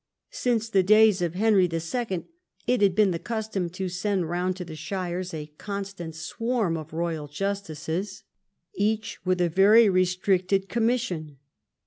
Since the days of Henry II. it bad been the custom to send round to the shires a constant swarm of royal justices, each with a ver}^ restricted com mission.